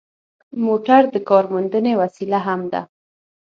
موټر د کارموندنې وسیله هم ده.